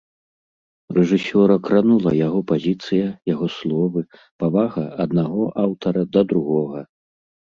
Рэжысёра кранула яго пазіцыя, яго словы, павага аднаго аўтара да другога.